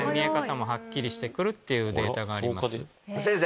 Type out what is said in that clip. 先生！